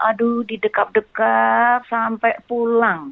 aduh didekap dekap sampai pulang